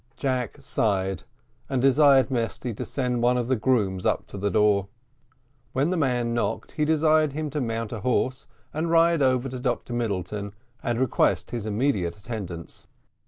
Jack sighed, and desired Mesty to send one of the grooms up to the door. When the man knocked he desired him to mount a horse and ride over to Dr Middleton, and request his immediate attendance.